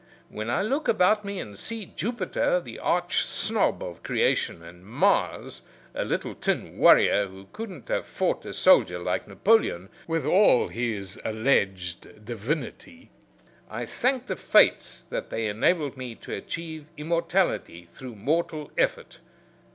When I look about me and see Jupiter, the arch snob of creation, and Mars, a little tin warrior who couldn't have fought a soldier like Napoleon, with all his alleged divinity, I thank the Fates that they enabled me to achieve immortality through mortal effort.